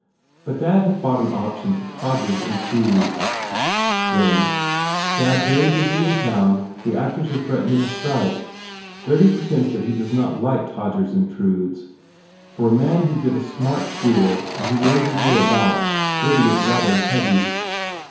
But dad has bought an option to Todgers Intrudes/ Then, "Dad very busy in town. The actors are threatening a strike. Gurdy pretends that he does not like Todgers In trudes. For a man who did a smart school and who knows his way about Gurdy is rather heavy.